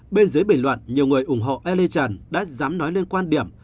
bên dưới bình luận nhiều người ủng hộ ellie trần đã dám nói lên quan điểm